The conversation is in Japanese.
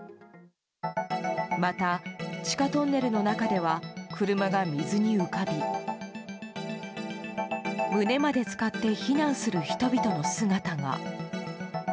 また、地下トンネルの中では車が水に浮かび胸まで浸かって避難する人々の姿が。